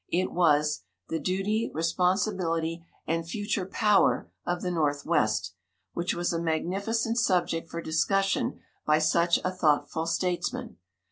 It was, "The Duty, Responsibility, and Future Power of the Northwest," which was a magnificent subject for discussion by such a thoughtful statesman.